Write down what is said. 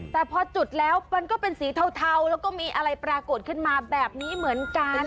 แต่พอจุดแล้วมันก็เป็นสีเทาแล้วก็มีอะไรปรากฏขึ้นมาแบบนี้เหมือนกัน